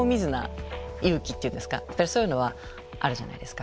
やっぱりそういうのはあるじゃないですか。